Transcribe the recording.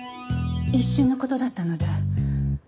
一瞬の事だったので。